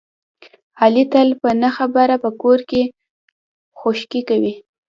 علي تل په نه خبره په کور کې خشکې کوي.